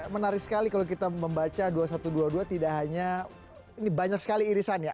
menarik sekali kalau kita membaca dua ribu satu ratus dua puluh dua tidak hanya ini banyak sekali irisan ya